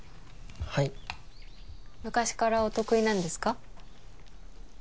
はい昔からお得意なんですか？